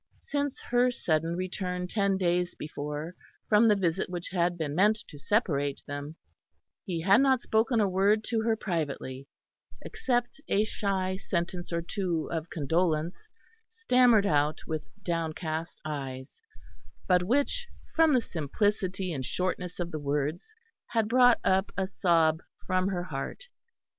Since her sudden return ten days before from the visit which had been meant to separate them, he had not spoken a word to her privately, except a shy sentence or two of condolence, stammered out with downcast eyes, but which from the simplicity and shortness of the words had brought up a sob from her heart.